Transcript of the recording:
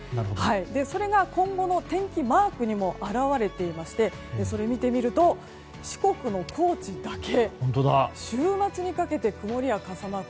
それが今後の天気マークにも表れていましてそれを見てみると四国の高知だけ週末にかけて曇りや傘マーク。